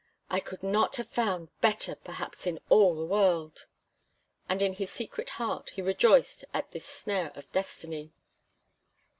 I could not have found better perhaps in all the world!" And in his secret heart he rejoiced at this snare of destiny.